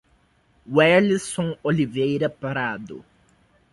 Werlison Oliveira Prado